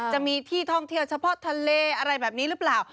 จะมีที่ท่องเที่ยวเฉพาะทะเลอะไรแบบนี้หรือเปล่า